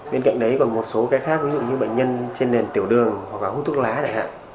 bên cạnh đấy còn một số cái khác ví dụ như bệnh nhân trên nền tiểu đường hoặc hút thuốc lá chẳng hạn